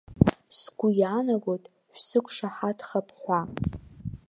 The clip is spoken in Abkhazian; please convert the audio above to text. Сгәы иаанагоит шәсықәшаҳаҭхап ҳәа!